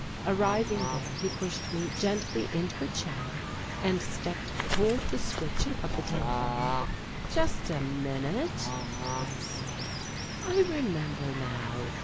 Arriving there he pushed me gently into a chair and stepped toward the switch of the telephone. "Just a minute," I said, "I remember now.